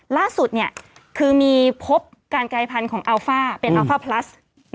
ล่าสุดคือมีพบการกายพันธุ์ของอัลฟ่าเป็นอัลฟ่าพลัส